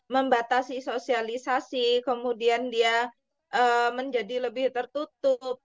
membatasi sosialisasi kemudian dia menjadi lebih tertutup